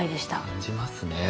感じますね。